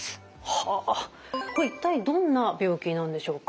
はあこれ一体どんな病気なんでしょうか？